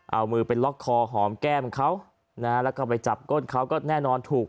เอามือไปล็อกคอหอมแก้มเขานะฮะแล้วก็ไปจับก้นเขาก็แน่นอนถูก